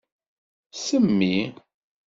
Semmi.